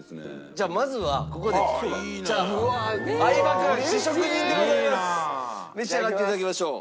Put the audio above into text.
じゃあまずはここで召し上がっていただきましょう。